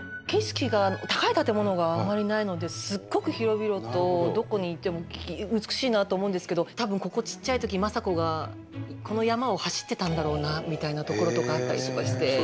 景色が高い建物があまりないのですごく広々とどこに行っても美しいなと思うんですけどたぶんここちっちゃいとき政子がこの山を走ってたんだろうなみたいな所とかあったりとかして。